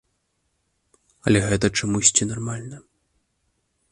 Але гэта чамусьці нармальна.